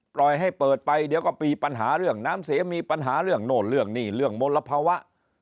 ปล่อยให้เปิดไปเดี๋ยวก็มีปัญหาเรื่องน้ำเสียมีปัญหาเรื่องโน่นเรื่องนี้เรื่องมลภาวะ